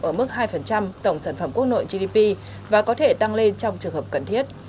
ở mức hai tổng sản phẩm quốc nội gdp và có thể tăng lên trong trường hợp cần thiết